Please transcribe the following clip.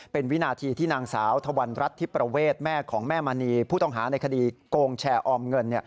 เป็นวินาทีที่นางสาวธวรรณรัฐธิประเวทแม่ของแม่มณีผู้ต้องหาในคดีโกงแชร์ออมเงิน